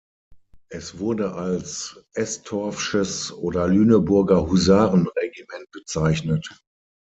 Es wurde als „Estorff’sches-“ oder „Lüneburger Husaren-Regiment“ bezeichnet.